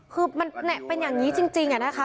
คือมันเป็นอย่างนี้จริงอะนะคะ